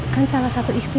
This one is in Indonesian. kan salah satu istri kita